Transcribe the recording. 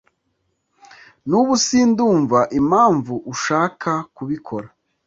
Nubu sindumva impamvu ushaka kubikora